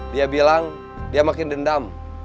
dia bilang dia makin dendam